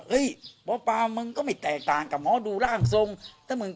เฮ้ยปามึงก็ไม่แตกต่างกับหมอดูร่างทรงถ้ามึง